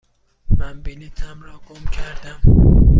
من بلیطم را گم کردم.